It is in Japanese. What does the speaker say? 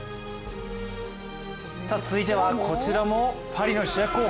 続いてはこちらもパリの主役候補。